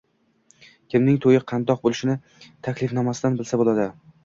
Kimning to`yi qandoq bo`lishini Taklifnomasidan bilsa bo`ladi